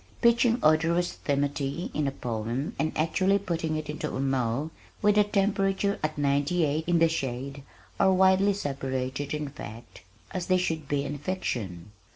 Pitching odorous timothy in a poem and actually putting it into a mow with the temperature at ninety eight in the shade are widely separated in fact as they should be in fiction.